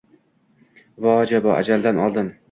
Voajabo, ajaldan oldin